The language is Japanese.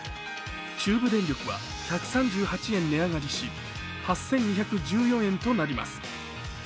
中部電力は１３８円値上がりし８２１４円となります。